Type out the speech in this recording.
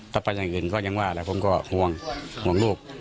ถ้าไปอย่างอื่นก็ยังว่าแหละผมก็ห่วงห่วงลูก